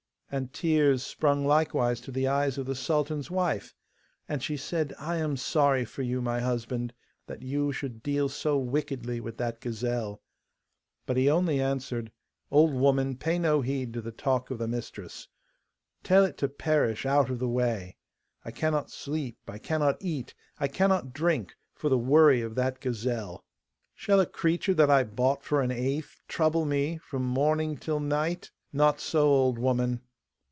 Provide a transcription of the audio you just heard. And tears sprung likewise to the eyes of the sultan's wife, and she said, 'I am sorry for you, my husband, that you should deal so wickedly with that gazelle'; but he only answered, 'Old woman, pay no heed to the talk of the mistress: tell it to perish out of the way. I cannot sleep, I cannot eat, I cannot drink, for the worry of that gazelle. Shall a creature that I bought for an eighth trouble me from morning till night? Not so, old woman!